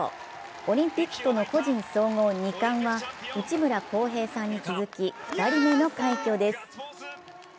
オリンピックとの個人総合２冠は内村航平さんに続き２人目の快挙です。